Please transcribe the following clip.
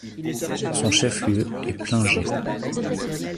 Son chef-lieu est Plungė.